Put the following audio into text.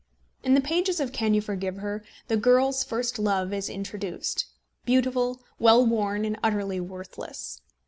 In the pages of Can You Forgive Her? the girl's first love is introduced, beautiful, well born, and utterly worthless.